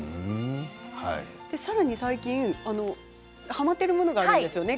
さらに最近はまっているものがあるんですよね。